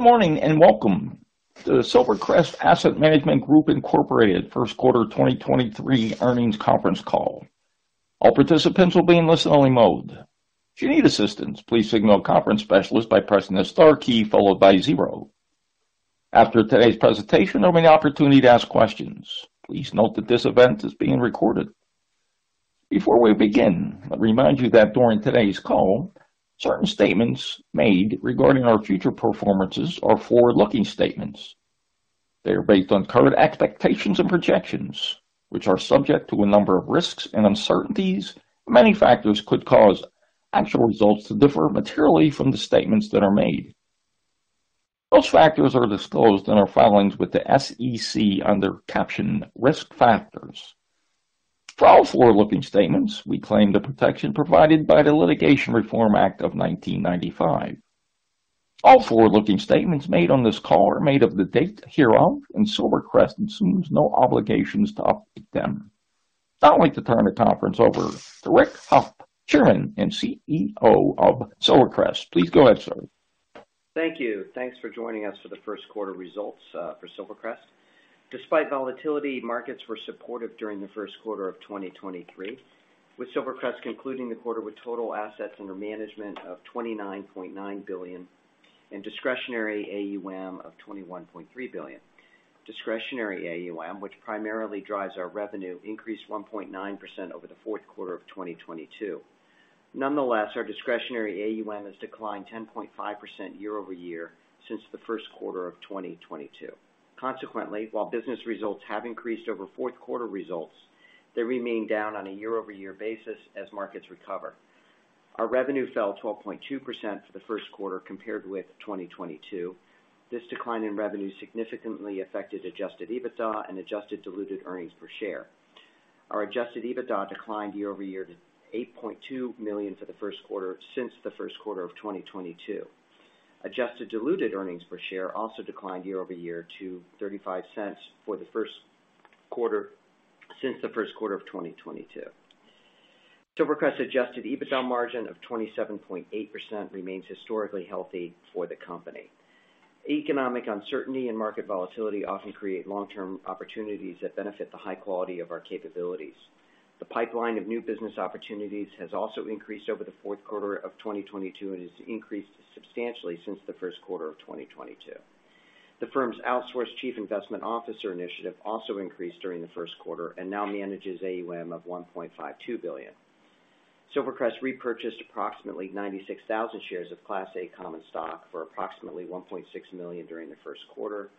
Good morning. Welcome to Silvercrest Asset Management Group Incorporated 1st quarter 2023 earnings conference call. All participants will be in listen-only mode. If you need assistance, please signal a conference specialist by pressing the star key followed by 0. After today's presentation, there will be an opportunity to ask questions. Please note that this event is being recorded. Before we begin, let me remind you that during today's call, certain statements made regarding our future performances are forward-looking statements. They are based on current expectations and projections, which are subject to a number of risks and uncertainties. Many factors could cause actual results to differ materially from the statements that are made. Those factors are disclosed in our filings with the SEC under caption Risk Factors. For all forward-looking statements, we claim the protection provided by the Litigation Reform Act of 1995. All forward-looking statements made on this call are made of the date hereof. Silvercrest assumes no obligations to update them. Now I'd like to turn the conference over to Rick Hough, Chairman and CEO of Silvercrest. Please go ahead, sir. Thank you. Thanks for joining us for the first quarter results for Silvercrest. Despite volatility, markets were supportive during the first quarter of 2023, with Silvercrest concluding the quarter with total assets under management of $29.9 billion and discretionary AUM of $21.3 billion. Discretionary AUM, which primarily drives our revenue, increased 1.9% over the fourth quarter of 2022. Nonetheless, our discretionary AUM has declined 10.5% year-over-year since the first quarter of 2022. Consequently, while business results have increased over fourth quarter results, they remain down on a year-over-year basis as markets recover. Our revenue fell 12.2% for the first quarter compared with 2022. This decline in revenue significantly affected Adjusted EBITDA and Adjusted Diluted Earnings per Share. Our Adjusted EBITDA declined year-over-year to $8.2 million for the first quarter since the first quarter of 2022. Adjusted Diluted Earnings per Share also declined year-over-year to $0.35 for the first quarter since the first quarter of 2022. Silvercrest's Adjusted EBITDA margin of 27.8% remains historically healthy for the company. Economic uncertainty and market volatility often create long-term opportunities that benefit the high quality of our capabilities. The pipeline of new business opportunities has also increased over the fourth quarter of 2022 and has increased substantially since the first quarter of 2022. The firm's outsourced chief investment officer initiative also increased during the first quarter and now manages AUM of $1.52 billion. Silvercrest repurchased approximately 96,000 shares of Class A common stock for approximately $1.6 million during the first quarter.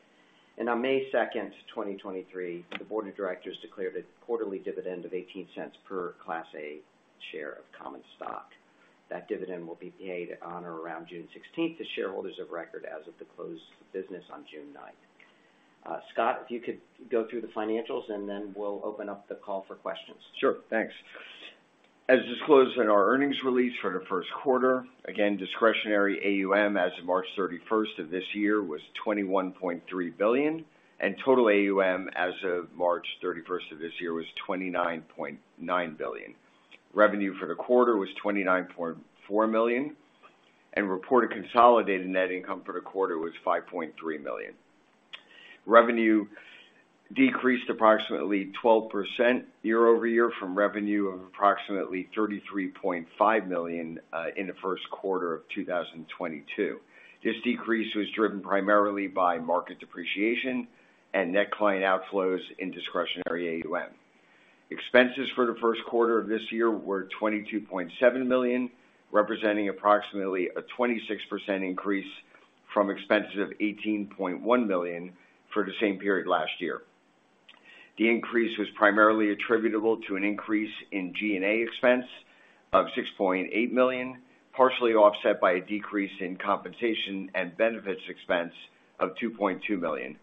On May second, 2023, the board of directors declared a quarterly dividend of $0.18 per Class A share of common stock. That dividend will be paid on or around June 16th to shareholders of record as of the close of business on June ninth. Scott, if you could go through the financials, and then we'll open up the call for questions. Sure. Thanks. As disclosed in our earnings release for the first quarter, again, discretionary AUM as of March 31st of this year was $21.3 billion. Total AUM as of March 31st of this year was $29.9 billion. Revenue for the quarter was $29.4 million. Reported consolidated net income for the quarter was $5.3 million. Revenue decreased approximately 12% year-over-year from revenue of approximately $33.5 million in the first quarter of 2022. This decrease was driven primarily by market depreciation and net client outflows in discretionary AUM. Expenses for the first quarter of this year were $22.7 million, representing approximately a 26% increase from expenses of $18.1 million for the same period last year. The increase was primarily attributable to an increase in G&A expense of $6.8 million, partially offset by a decrease in compensation and benefits expense of $2.2 million.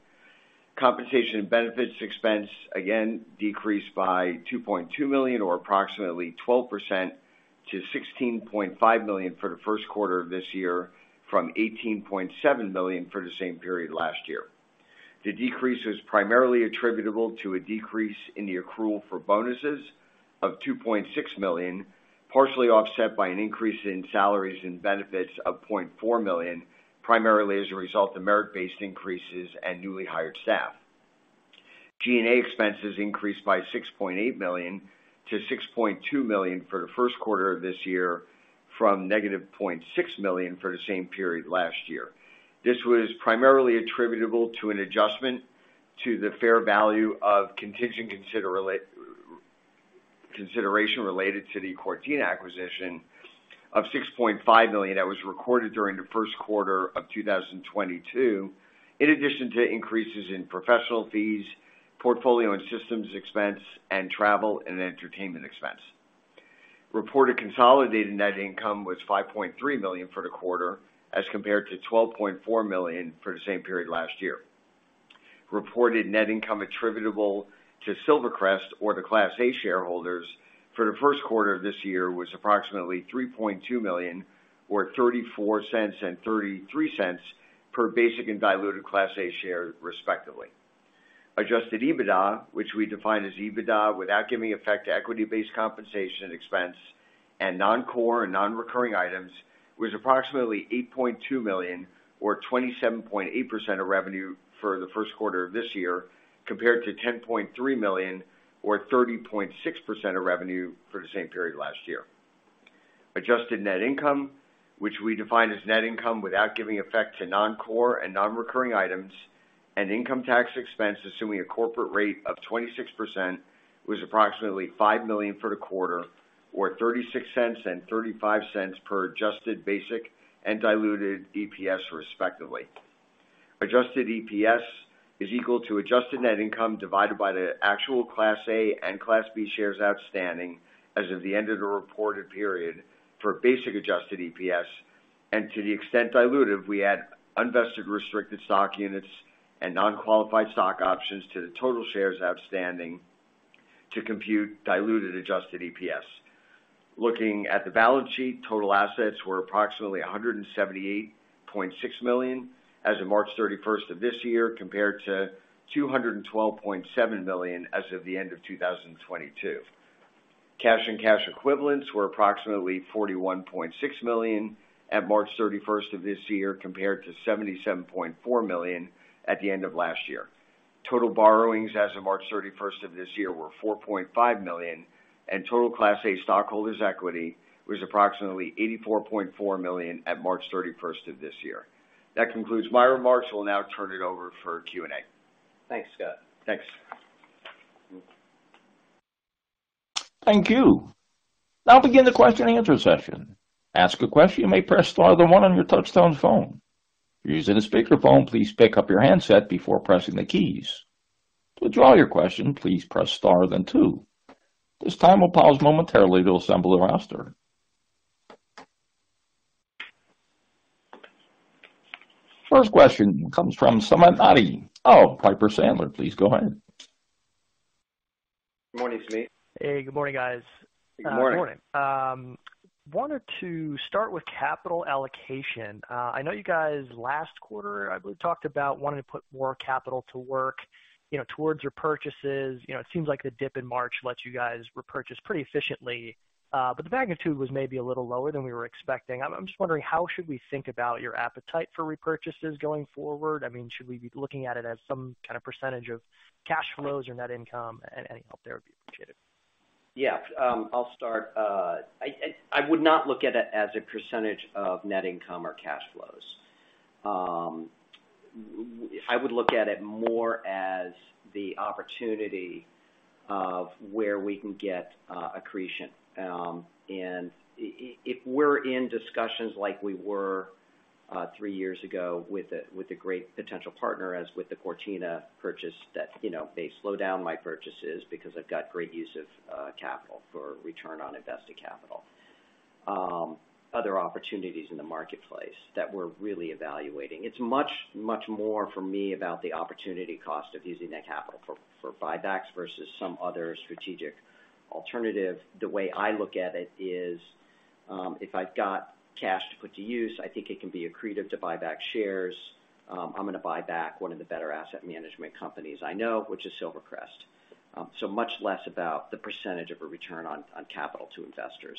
Compensation and benefits expense again decreased by $2.2 million or approximately 12% to $16.5 million for the first quarter of this year from $18.7 million for the same period last year. The decrease was primarily attributable to a decrease in the accrual for bonuses of $2.6 million, partially offset by an increase in salaries and benefits of $0.4 million, primarily as a result of merit-based increases and newly hired staff. G&A expenses increased by $6.8 million to $6.2 million for the first quarter of this year from -$0.6 million for the same period last year. This was primarily attributable to an adjustment to the fair value of contingent consideration related to the Cortina acquisition of $6.5 million that was recorded during the first quarter of 2022, in addition to increases in professional fees, portfolio and systems expense, and travel and entertainment expense. Reported consolidated net income was $5.3 million for the quarter as compared to $12.4 million for the same period last year. Reported net income attributable to Silvercrest or the Class A shareholders for the first quarter of this year was approximately $3.2 million, or $0.34 and $0.33 per basic and diluted Class A share, respectively. Adjusted EBITDA, which we define as EBITDA without giving effect to equity-based compensation and expense and non-core and non-recurring items, was approximately $8.2 million or 27.8% of revenue for the first quarter of this year, compared to $10.3 million or 30.6% of revenue for the same period last year. Adjusted net income, which we define as net income without giving effect to non-core and non-recurring items and income tax expense, assuming a corporate rate of 26%, was approximately $5 million for the quarter or $0.36 and $0.35 per adjusted basic and diluted EPS, respectively. Adjusted EPS is equal to adjusted net income divided by the actual Class A and Class B shares outstanding as of the end of the reported period for basic adjusted EPS. To the extent dilutive, we add unvested restricted stock units and non-qualified stock options to the total shares outstanding to compute diluted adjusted EPS. Looking at the balance sheet, total assets were approximately $178.6 million as of March 31st of this year compared to $212.7 million as of the end of 2022. Cash and cash equivalents were approximately $41.6 million at March 31st of this year compared to $77.4 million at the end of last year. Total borrowings as of March 31st of this year were $4.5 million, and total Class A stockholders' equity was approximately $84.4 million at March 31st of this year. That concludes my remarks. We'll now turn it over for Q&A. Thanks, Scott. Thanks. Thank you. I'll begin the question and answer session. To ask a question, you may press star then one on your touchtone phone. If you're using a speakerphone, please pick up your handset before pressing the keys. To withdraw your question, please press star then two. This time we'll pause momentarily to assemble the roster. First question comes from Sumeet Mody of Piper Sandler. Please go ahead. Good morning to you. Hey, good morning, guys. Good morning. Good morning. Wanted to start with capital allocation. I know you guys last quarter, I believe, talked about wanting to put more capital to work, you know, towards your purchases. You know, it seems like the dip in March lets you guys repurchase pretty efficiently, but the magnitude was maybe a little lower than we were expecting. I'm just wondering how should we think about your appetite for repurchases going forward? I mean, should we be looking at it as some kind of percentage of cash flows or net income? Any help there would be appreciated. Yeah. I'll start. I would not look at it as a percentage of net income or cash flows. I would look at it more as the opportunity of where we can get accretion. And if we're in discussions like we were, 3 years ago with a great potential partner, as with the Cortina purchase that, you know, may slow down my purchases because I've got great use of capital for return on invested capital. Other opportunities in the marketplace that we're really evaluating. It's much, much more for me about the opportunity cost of using that capital for buybacks versus some other strategic alternative. The way I look at it is, if I've got cash to put to use, I think it can be accretive to buy back shares. I'm gonna buy back one of the better asset management companies I know, which is Silvercrest. So much less about the percentage of a return on capital to investors.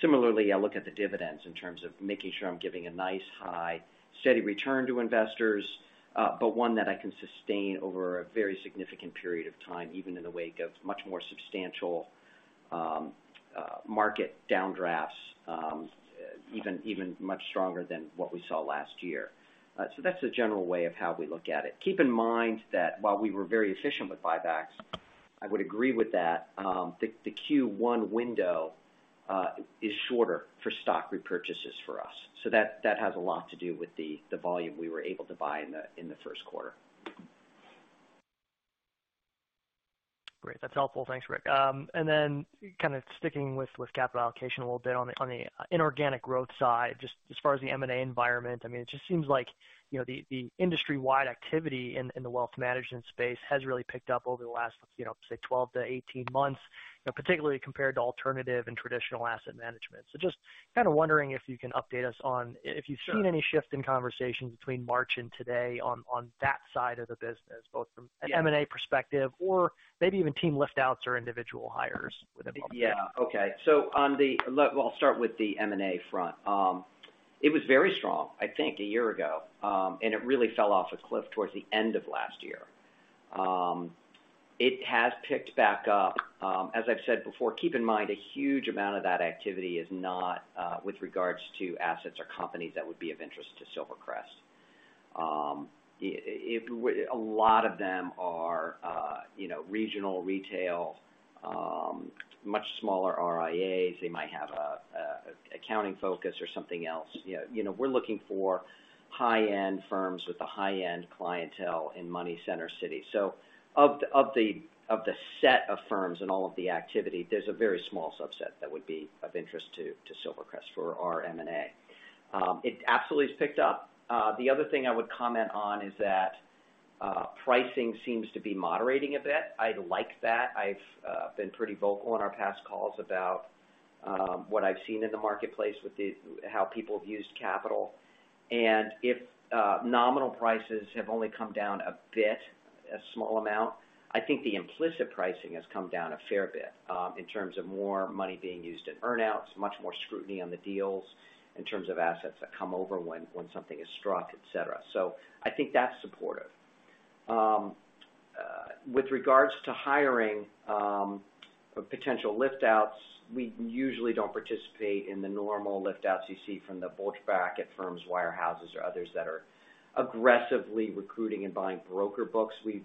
Similarly, I look at the dividends in terms of making sure I'm giving a nice, high, steady return to investors, but one that I can sustain over a very significant period of time, even in the wake of much more substantial market downdrafts, even much stronger than what we saw last year. That's the general way of how we look at it. Keep in mind that while we were very efficient with buybacks, I would agree with that, the Q1 window is shorter for stock repurchases for us. That has a lot to do with the volume we were able to buy in the first quarter. Great. That's helpful. Thanks, Rick. kind of sticking with capital allocation a little bit on the, on the inorganic growth side, just as far as the M&A environment. I mean, it just seems like, you know, the industry-wide activity in the wealth management space has really picked up over the last, you know, say, 12-18 months, you know, particularly compared to alternative and traditional asset management. just kind of wondering if you can update us on. Sure... seen any shift in conversation between March and today on that side of the business, both. Yeah... an M&A perspective or maybe even team lift outs or individual hires within Yeah. Okay. Well, I'll start with the M&A front. It was very strong, I think, a year ago, it really fell off a cliff towards the end of last year. It has picked back up. As I've said before, keep in mind a huge amount of that activity is not with regards to assets or companies that would be of interest to Silvercrest. A lot of them are, you know, regional retail, much smaller RIAs. They might have a accounting focus or something else. You know, we're looking for high-end firms with a high-end clientele in money center cities. Of the set of firms and all of the activity, there's a very small subset that would be of interest to Silvercrest for our M&A. It absolutely has picked up. The other thing I would comment on is that, pricing seems to be moderating a bit. I like that. I've been pretty vocal on our past calls about what I've seen in the marketplace with how people have used capital. If nominal prices have only come down a bit, a small amount, I think the implicit pricing has come down a fair bit, in terms of more money being used in earn-outs, much more scrutiny on the deals in terms of assets that come over when something is struck, et cetera. I think that's supportive. With regards to hiring, for potential lift-outs, we usually don't participate in the normal lift-outs you see from the pushback at firms, wirehouses or others that are aggressively recruiting and buying broker books. We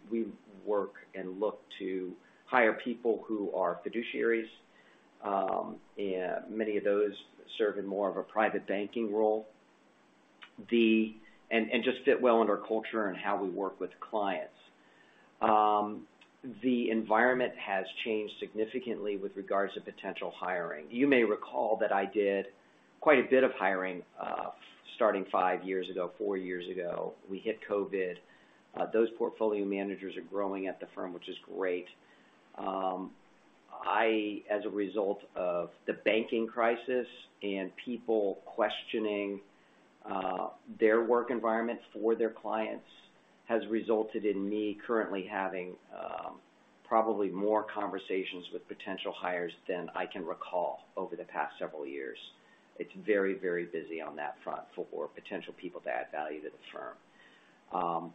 work and look to hire people who are fiduciaries, and many of those serve in more of a private banking role. Just fit well in our culture and how we work with clients. The environment has changed significantly with regards to potential hiring. You may recall that I did quite a bit of hiring, starting five years ago, four years ago. We hit COVID. Those portfolio managers are growing at the firm, which is great. As a result of the banking crisis and people questioning their work environment for their clients has resulted in me currently having probably more conversations with potential hires than I can recall over the past several years. It's very, very busy on that front for potential people to add value to the firm.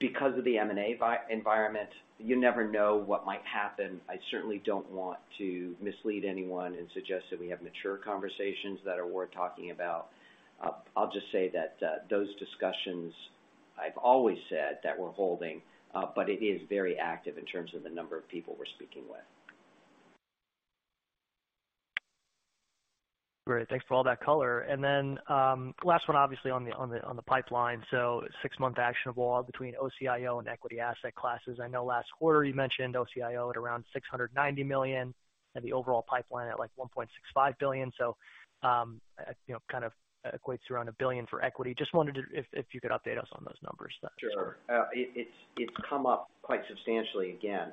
Because of the M&A environment, you never know what might happen. I certainly don't want to mislead anyone and suggest that we have mature conversations that are worth talking about. I'll just say that those discussions I've always said that we're holding, but it is very active in terms of the number of people we're speaking with. Great. Thanks for all that color. Then, last one, obviously on the, on the, on the pipeline. Six-month actionable between OCIO and equity asset classes. I know last quarter you mentioned OCIO at around $690 million, and the overall pipeline at, like, $1.65 billion. You know, kind of equates around $1 billion for equity. Just wondering if you could update us on those numbers. Sure. It's come up quite substantially again.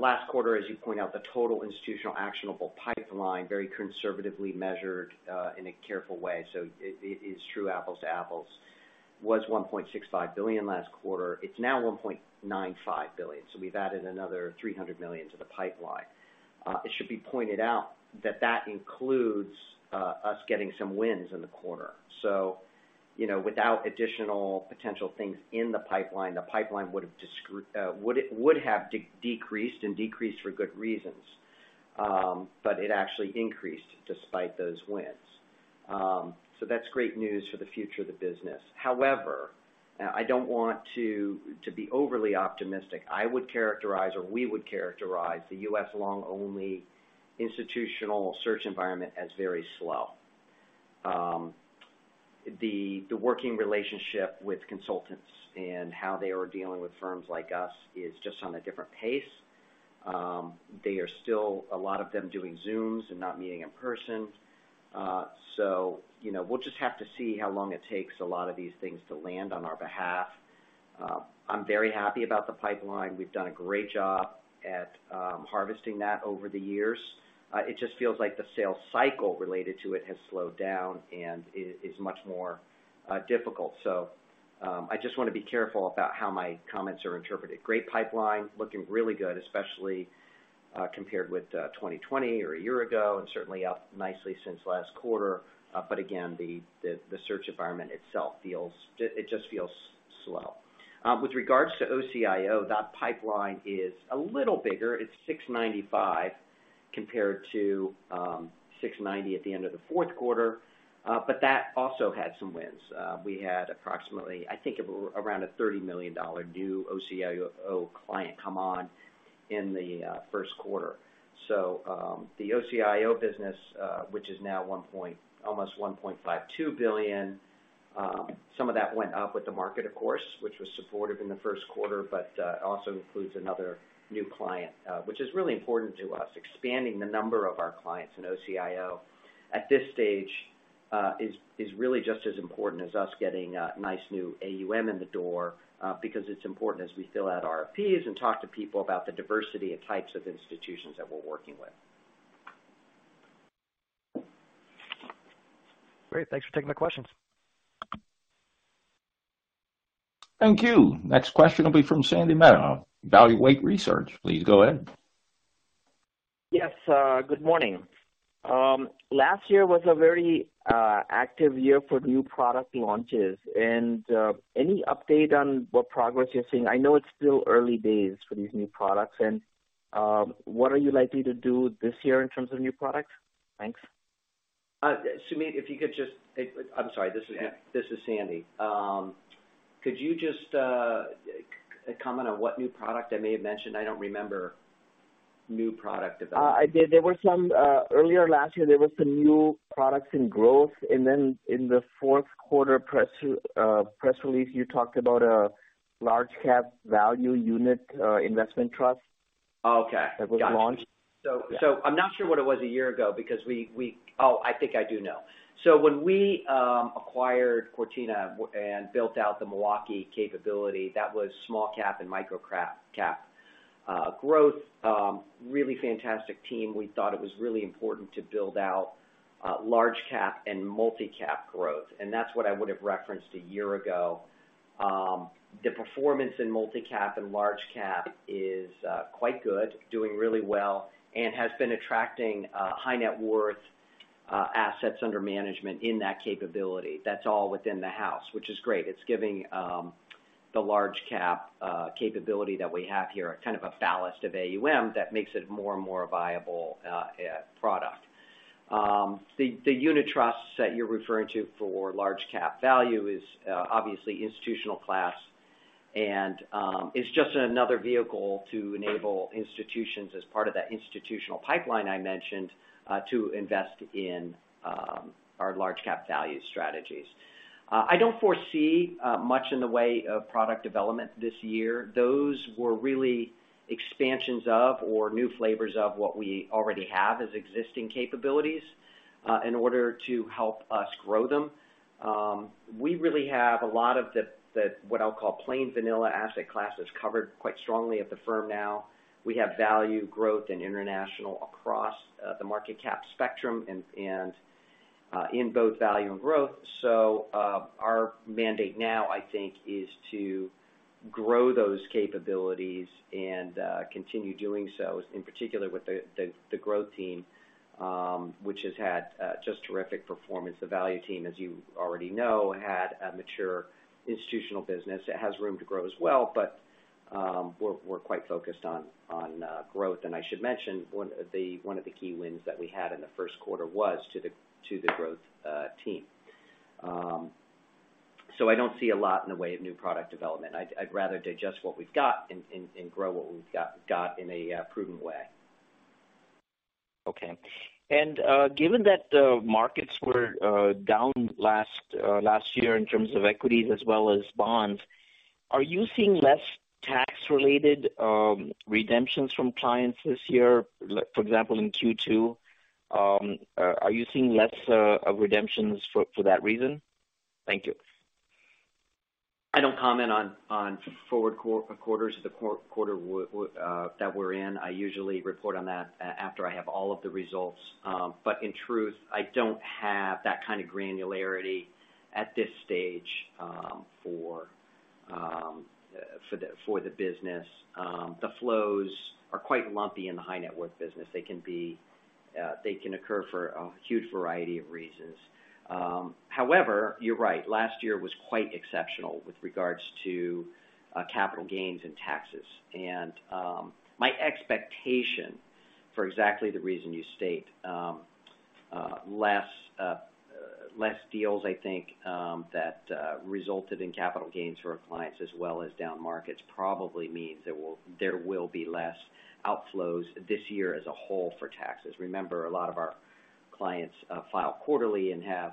Last quarter, as you point out, the total institutional actionable pipeline, very conservatively measured in a careful way, so it is true apples to apples, was $1.65 billion last quarter. It's now $1.95 billion. We've added another $300 million to the pipeline. It should be pointed out that that includes us getting some wins in the quarter. You know, without additional potential things in the pipeline, the pipeline would have decreased and decreased for good reasons. It actually increased despite those wins. That's great news for the future of the business. However, I don't want to be overly optimistic. I would characterize, or we would characterize the U.S. long-only institutional search environment as very slow. The, the working relationship with consultants and how they are dealing with firms like us is just on a different pace. They are still a lot of them doing Zooms and not meeting in person. You know, we'll just have to see how long it takes a lot of these things to land on our behalf. I'm very happy about the pipeline. We've done a great job at harvesting that over the years. It just feels like the sales cycle related to it has slowed down and is much more difficult. I just wanna be careful about how my comments are interpreted. Great pipeline, looking really good, especially compared with 2020 or a year ago, and certainly up nicely since last quarter. Again, the search environment itself feels. It just feels slow. With regards to OCIO, that pipeline is a little bigger. It's $695 compared to $690 at the end of the fourth quarter. That also had some wins. We had approximately, I think, around a $30 million new OCIO client come on in the first quarter. The OCIO business, which is now almost $1.52 billion, some of that went up with the market of course, which was supportive in the first quarter, but also includes another new client, which is really important to us. Expanding the number of our clients in OCIO at this stage, is really just as important as us getting a nice new AUM in the door, because it's important as we fill out RFPs and talk to people about the diversity of types of institutions that we're working with. Great. Thanks for taking the questions. Thank you. Next question will be from Sandy Mehta, Evaluate Research. Please go ahead. Yes, good morning. Last year was a very active year for new product launches. Any update on what progress you're seeing? I know it's still early days for these new products. What are you likely to do this year in terms of new products? Thanks. Sumeet, if you could just... I'm sorry. This is Sandy. Could you just comment on what new product I may have mentioned? I don't remember new product development. I did. There were some Earlier last year, there were some new products in growth. In the fourth quarter press release, you talked about a large cap value unit investment trust Okay. Got it. That was launched. I'm not sure what it was a year ago because we. Oh, I think I do know. When we acquired Cortina and built out the Milwaukee capability, that was small cap and micro craft cap. Growth, really fantastic team. We thought it was really important to build out large cap and multi-cap growth, and that's what I would've referenced a year ago. The performance in multi-cap and large cap is quite good, doing really well, and has been attracting high net worth assets under management in that capability. That's all within the house, which is great. It's giving the large cap capability that we have here a kind of a ballast of AUM that makes it more and more viable product. The unit trusts that you're referring to for large cap value is obviously institutional class, and it's just another vehicle to enable institutions as part of that institutional pipeline I mentioned to invest in our large cap value strategies. I don't foresee much in the way of product development this year. Those were really expansions of or new flavors of what we already have as existing capabilities in order to help us grow them. We really have a lot of the what I'll call plain vanilla asset classes covered quite strongly at the firm now. We have value growth in international across the market cap spectrum and in both value and growth. Our mandate now, I think, is to grow those capabilities and continue doing so in particular with the growth team, which has had just terrific performance. The value team, as you already know, had a mature institutional business. It has room to grow as well, but we're quite focused on growth. I should mention, one of the key wins that we had in the first quarter was to the growth team. I don't see a lot in the way of new product development. I'd rather digest what we've got and grow what we've got in a prudent way. Okay. given that the markets were down last last year in terms of equities as well as bonds, are you seeing less tax-related redemptions from clients this year? For example, in Q2, are you seeing less of redemptions for that reason? Thank you. I don't comment on forward quarters of the quarter that we're in. I usually report on that after I have all of the results. In truth, I don't have that kind of granularity at this stage for the business. The flows are quite lumpy in the high net worth business. They can be. They can occur for a huge variety of reasons. However, you're right. Last year was quite exceptional with regards to capital gains and taxes. My expectation for exactly the reason you state, less deals, I think, that resulted in capital gains for our clients as well as down markets probably means there will be less outflows this year as a whole for taxes. Remember, a lot of our clients, file quarterly and have,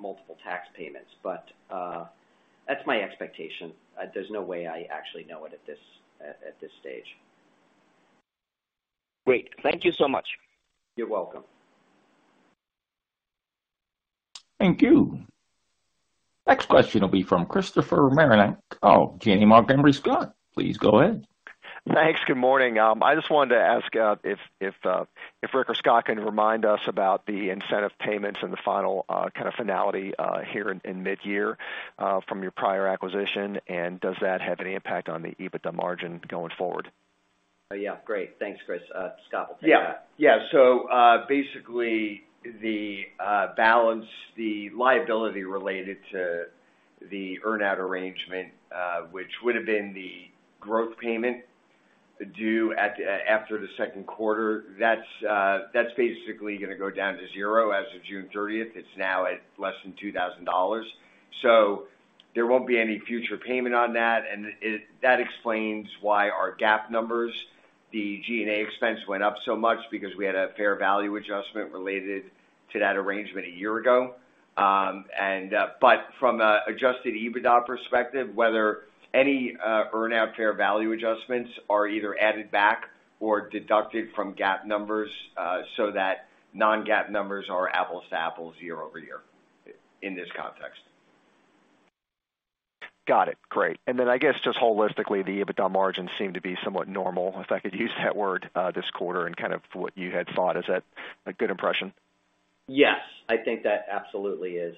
multiple tax payments. That's my expectation. There's no way I actually know it at this stage. Great. Thank you so much. You're welcome. Thank you. Next question will be from Christopher Marinac. Janney Montgomery Scott, please go ahead. Thanks. Good morning. I just wanted to ask, if Rick or Scott can remind us about the incentive payments and the final, kind of finality, here in mid-year, from your prior acquisition, and does that have any impact on the EBITDA margin going forward? Yeah. Great. Thanks, Chris. Scott will take that. Basically, the balance, the liability related to the earn-out arrangement, which would've been the growth payment due after the second quarter, that's basically going to go down to zero as of June 30th. It's now at less than $2,000. There won't be any future payment on that. That explains why our GAAP numbers, the G&A expense went up so much because we had a fair value adjustment related to that arrangement a year ago. From Adjusted EBITDA perspective, whether any earn-out fair value adjustments are either added back or deducted from GAAP numbers, so that non-GAAP numbers are apples to apples year-over-year in this context. Got it. Great. I guess just holistically, the EBITDA margins seem to be somewhat normal, if I could use that word, this quarter and kind of what you had thought. Is that a good impression? Yes. I think that absolutely is.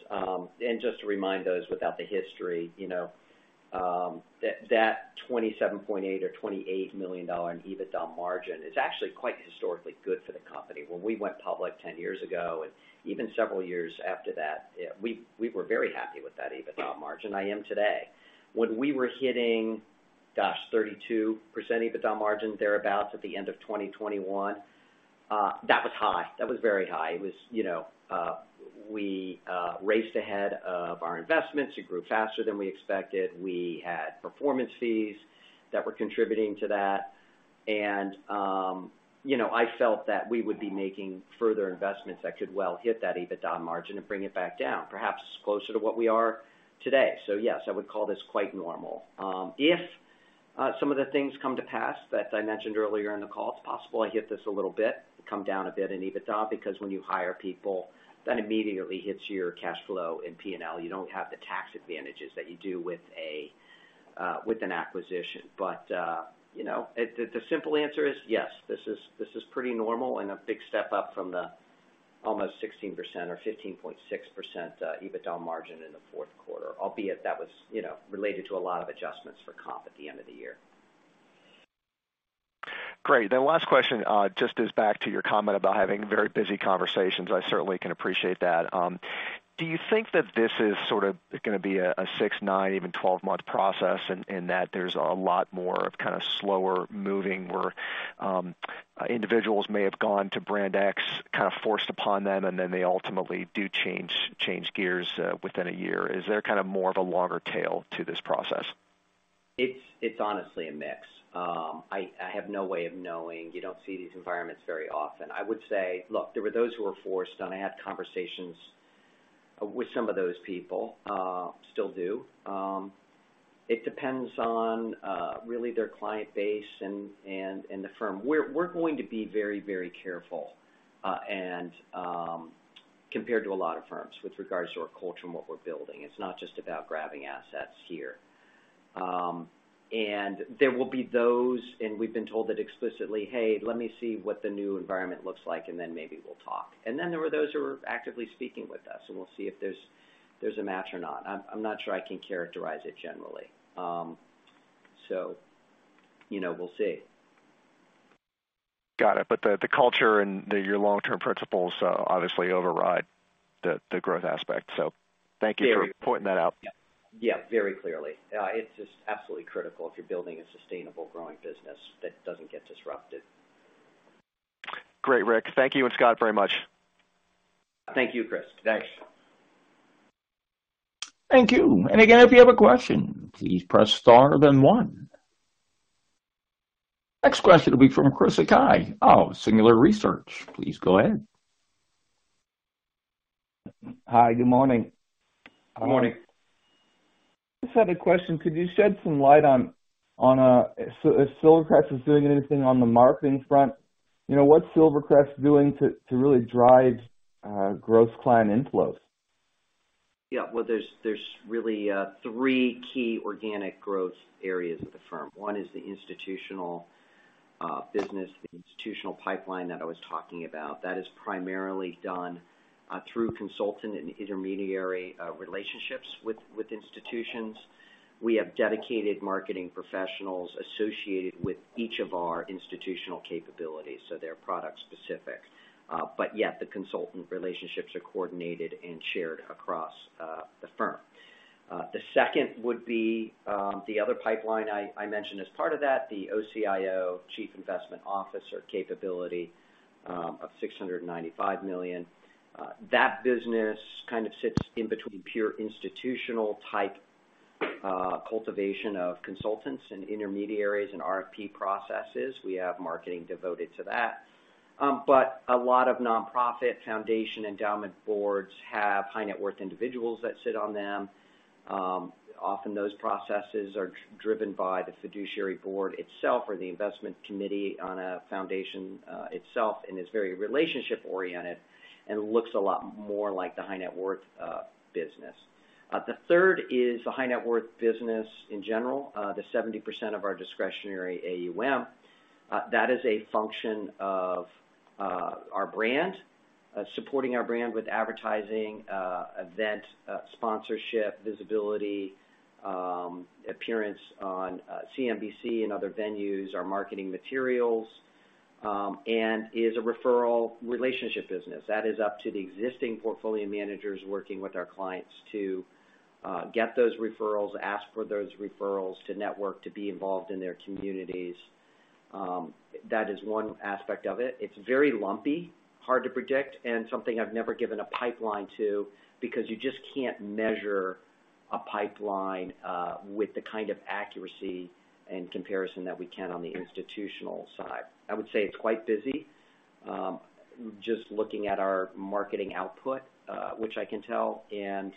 Just to remind those without the history, you know, that $27.8 million or $28 million in EBITDA margin is actually quite historically good for the company. When we went public 10 years ago and even several years after that, we were very happy with that EBITDA margin. I am today. When we were hitting, gosh, 32% EBITDA margin thereabout at the end of 2021, that was high. That was very high. It was, you know, we raced ahead of our investments. It grew faster than we expected. We had performance fees that were contributing to that. You know, I felt that we would be making further investments that could well hit that EBITDA margin and bring it back down, perhaps closer to what we are today. Yes, I would call this quite normal. If some of the things come to pass that I mentioned earlier in the call. It's possible I hit this a little bit, come down a bit in EBITDA because when you hire people, that immediately hits your cash flow in P&L. You don't have the tax advantages that you do with a with an acquisition. You know, the simple answer is yes, this is, this is pretty normal and a big step up from the almost 16% or 15.6% EBITDA margin in the fourth quarter. Albeit that was, you know, related to a lot of adjustments for comp at the end of the year. Great. Last question, just is back to your comment about having very busy conversations. I certainly can appreciate that. Do you think that this is sort of gonna be a 6, 9, even 12-month process in that there's a lot more of kind of slower moving where individuals may have gone to brand X kinda forced upon them, and then they ultimately do change gears within 1 year? Is there kind of more of a longer tail to this process? It's honestly a mix. I have no way of knowing. You don't see these environments very often. I would say... Look, there were those who were forced, and I had conversations with some of those people, still do. It depends on really their client base and the firm. We're going to be very, very careful, and compared to a lot of firms with regards to our culture and what we're building. It's not just about grabbing assets here. There will be those, and we've been told that explicitly, "Hey, let me see what the new environment looks like, and then maybe we'll talk." There were those who were actively speaking with us, and we'll see if there's a match or not. I'm not sure I can characterize it generally. You know, we'll see. Got it. The, the culture and your long-term principles, obviously override the growth aspect. Thank you for pointing that out. Yeah. Very clearly. It's just absolutely critical if you're building a sustainable, growing business that doesn't get disrupted. Great, Rick. Thank you and Scott very much. Thank you, Chris. Thanks. Thank you. Again, if you have a question, please press star then 1. Next question will be from Chris Sakai of Singular Research. Please go ahead. Hi, good morning. Good morning. Just had a question. Could you shed some light on, if Silvercrest is doing anything on the marketing front, you know, what's Silvercrest doing to really drive growth client inflows? Well, there's really three key organic growth areas of the firm. One is the institutional business, the institutional pipeline that I was talking about. That is primarily done through consultant and intermediary relationships with institutions. We have dedicated marketing professionals associated with each of our institutional capabilities, so they're product specific. Yet the consultant relationships are coordinated and shared across the firm. The second would be the other pipeline I mentioned as part of that, the OCIO chief investment officer capability, of $695 million. That business kind of sits in between pure institutional type cultivation of consultants and intermediaries and RFP processes. We have marketing devoted to that. A lot of nonprofit foundation endowment boards have high net worth individuals that sit on them. Often those processes are driven by the fiduciary board itself or the investment committee on a foundation itself, and it's very relationship oriented and looks a lot more like the high net worth business. The third is the high net worth business in general, the 70% of our discretionary AUM. That is a function of our brand, supporting our brand with advertising, event sponsorship, visibility, appearance on CNBC and other venues or marketing materials, and is a referral relationship business. That is up to the existing portfolio managers working with our clients to get those referrals, ask for those referrals to network to be involved in their communities. That is one aspect of it. It's very lumpy, hard to predict, and something I've never given a pipeline to because you just can't measure a pipeline with the kind of accuracy and comparison that we can on the institutional side. I would say it's quite busy, just looking at our marketing output, which I can tell, and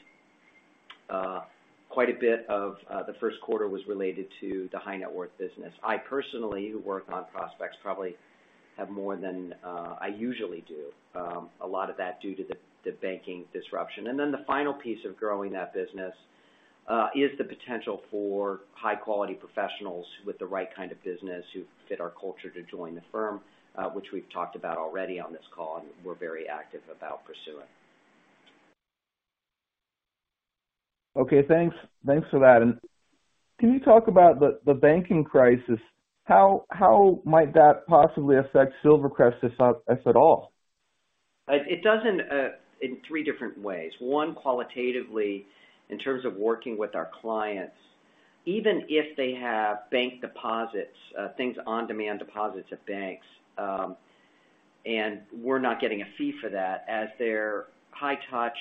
quite a bit of the first quarter was related to the high net worth business. I personally work on prospects probably have more than I usually do, a lot of that due to the banking disruption. The final piece of growing that business is the potential for high quality professionals with the right kind of business who fit our culture to join the firm, which we've talked about already on this call, and we're very active about pursuing. Okay, thanks. Thanks for that. Can you talk about the banking crisis? How might that possibly affect Silvercrest, if at all? It doesn't in three different ways. One, qualitatively, in terms of working with our clients. Even if they have bank deposits, things on-demand deposits at banks, and we're not getting a fee for that as their high touch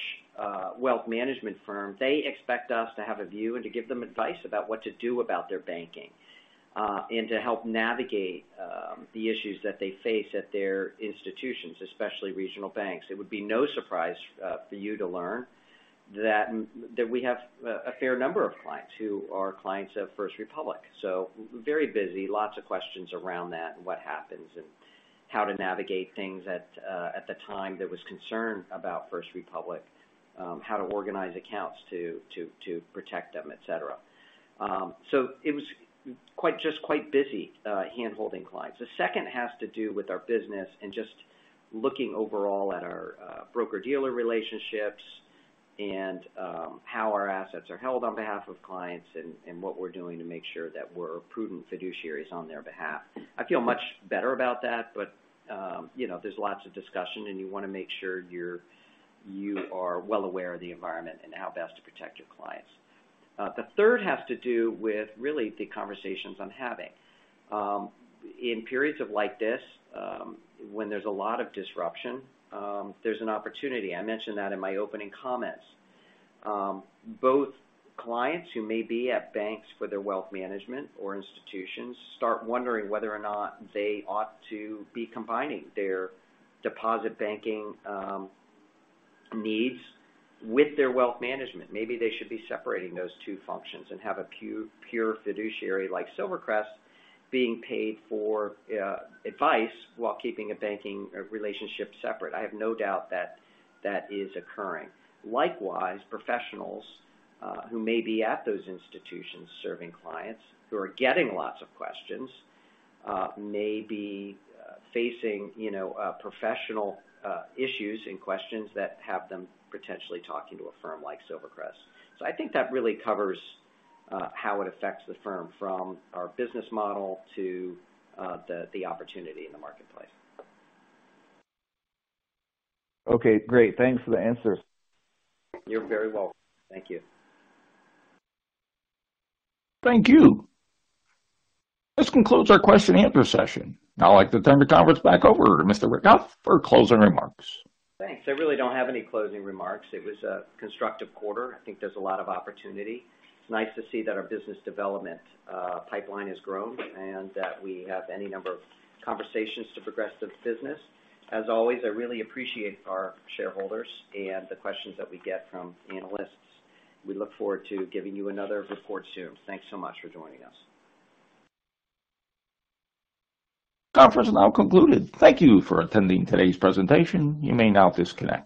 wealth management firm, they expect us to have a view and to give them advice about what to do about their banking, and to help navigate the issues that they face at their institutions, especially regional banks. It would be no surprise for you to learn that we have a fair number of clients who are clients of First Republic. Very busy. Lots of questions around that and what happens and how to navigate things. At the time, there was concern about First Republic, how to organize accounts to protect them, et cetera. It was quite, just quite busy, handholding clients. The second has to do with our business and just looking overall at our broker-dealer relationships and how our assets are held on behalf of clients and what we're doing to make sure that we're prudent fiduciaries on their behalf. I feel much better about that. You know, there's lots of discussion, and you wanna make sure you are well aware of the environment and how best to protect your clients. The third has to do with really the conversations I'm having. In periods of like this, when there's a lot of disruption, there's an opportunity. I mentioned that in my opening comments. Both clients who may be at banks for their wealth management or institutions start wondering whether or not they ought to be combining their deposit banking needs with their wealth management. Maybe they should be separating those two functions and have a pure fiduciary like Silvercrest being paid for advice while keeping a banking relationship separate. I have no doubt that that is occurring. Likewise, professionals who may be at those institutions serving clients who are getting lots of questions may be facing, you know, professional issues and questions that have them potentially talking to a firm like Silvercrest. I think that really covers how it affects the firm from our business model to the opportunity in the marketplace. Okay, great. Thanks for the answer. You're very welcome. Thank you. Thank you. This concludes our question and answer session. I'd like to turn the conference back over to Mr. Rick Hough for closing remarks. Thanks. I really don't have any closing remarks. It was a constructive quarter. I think there's a lot of opportunity. It's nice to see that our business development pipeline has grown and that we have any number of conversations to progress the business. As always, I really appreciate our shareholders and the questions that we get from analysts. We look forward to giving you another report soon. Thanks so much for joining us. Conference now concluded. Thank you for attending today's presentation. You may now disconnect.